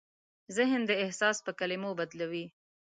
ذهن دا احساس په کلمو بدلوي.